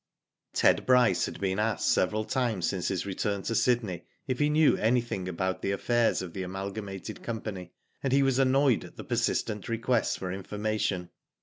Ted Bryce had been asked several times since his return to Sydney if he knew anything about the affairs of the Amalgamated Company, and he was annoyed at the persistent requests for informa tion.